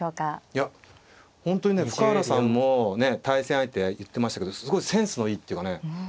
いや本当にね深浦さんもね対戦相手言ってましたけどすごいセンスのいいっていうかね。